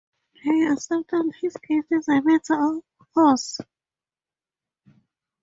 They accept all his gifts as a matter of course.